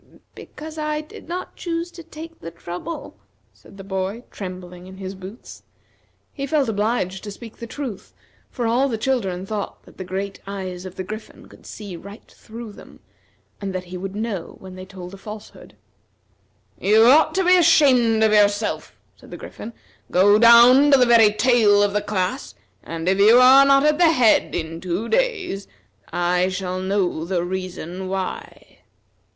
"Because I did not choose to take the trouble," said the boy, trembling in his boots. He felt obliged to speak the truth, for all the children thought that the great eyes of the Griffin could see right through them, and that he would know when they told a falsehood. "You ought to be ashamed of yourself," said the Griffin. "Go down to the very tail of the class, and if you are not at the head in two days, I shall know the reason why."